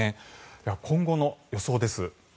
では、今後の予想です。